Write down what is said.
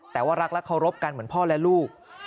แต่ว่ารักและเคารพกันเหมือนพ่อและลูก